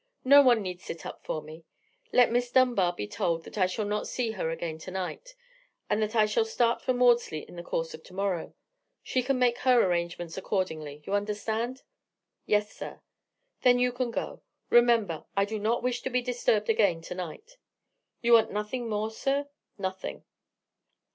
No one need sit up for me. Let Miss Dunbar be told that I shall not see her again to night, and that I shall start for Maudesley in the course of to morrow. She can make her arrangements accordingly. You understand?" "Yes, sir." "Then you can go. Remember, I do not wish to be disturbed again to night." "You will want nothing more, sir?" "Nothing."